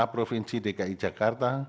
provinsi dki jakarta